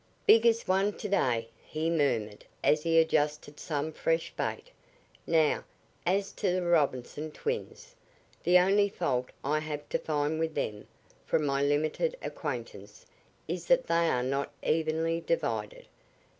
"Biggest one to day," he murmured as he adjusted some fresh bait. "Now, as to the Robinson twins. The only fault I have to find with them, from my limited acquaintance, is that they are not evenly divided.